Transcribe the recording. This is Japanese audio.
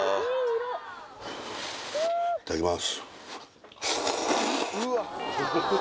いただきます